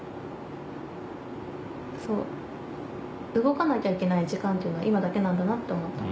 そう動かなきゃいけない時間っていうのは今だけなんだなって思った。